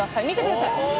「見てください！」